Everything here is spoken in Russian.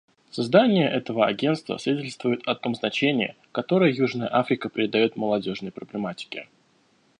Создание этого Агентства свидетельствует о том значении, которое Южная Африка придает молодежной проблематике.